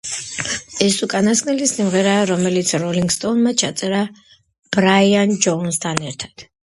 ეს უკანასკნელი სიმღერაა, რომელიც როლინგ სტოუნზმა ჩაწერა ბრაიან ჯოუნსთან ერთად.